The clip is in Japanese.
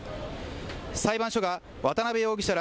裁判所が渡辺容疑者ら